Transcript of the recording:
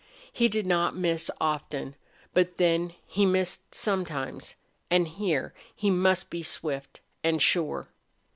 He did not miss often, but then he missed sometimes, and here he must be swift and sure.